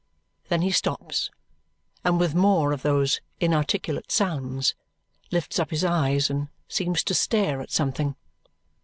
Then he stops, and with more of those inarticulate sounds, lifts up his eyes and seems to stare at something.